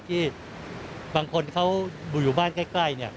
ที่บางคนเขาอยู่บ้านใกล้